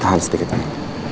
tahan sedikit lagi